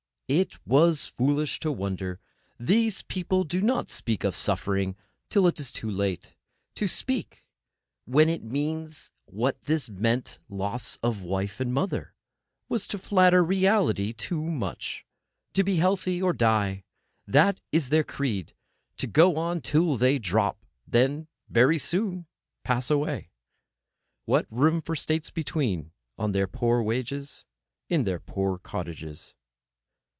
It was foolish to wonder—these people do not speak of suffering till it is late. To speak, when it means what this meant loss of wife and mother—was to flatter reality too much. To be healthy, or—die! That is their creed. To go on till they drop —then very soon pass away! What room for states between—on their poor wage, in their poor cottages?